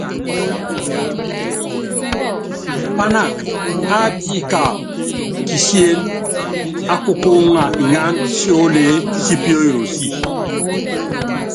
Pának ábííka kisién á kukúúŋa iŋánd sióle sí píóyosi.